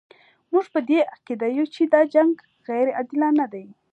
موږ په دې عقیده یو چې دا جنګ غیر عادلانه دی.